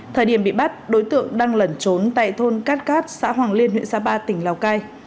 thời điểm bị bắt đối tượng đang lẩn trốn tại thôn cát cát xã hoàng liên huyện sapa tỉnh lào cai